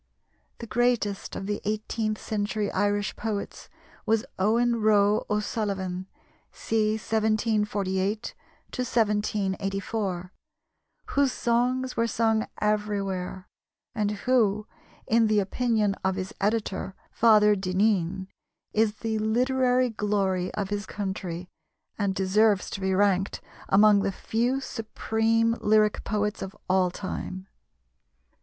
The greatest of the eighteenth century Irish poets was Owen Roe O'Sullivan (c. 1748 1784), whose songs were sung everywhere, and who, in the opinion of his editor, Father Dinneen, is the literary glory of his country and deserves to be ranked among the few supreme lyric poets of all time.